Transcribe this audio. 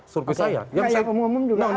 survei saya survei saya